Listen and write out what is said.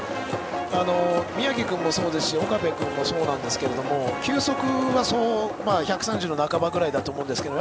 宮城君もそうですし岡部君もそうなんですけど球速は１３０の半ばぐらいだと思うんですけど